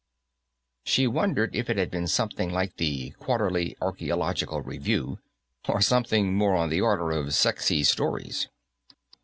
She wondered if it had been something like the Quarterly Archaeological Review, or something more on the order of Sexy Stories.